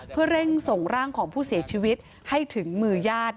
เพื่อเร่งส่งร่างของผู้เสียชีวิตให้ถึงมือญาติ